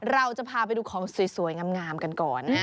เราจะพาไปดูของสวยงามกันก่อนนะ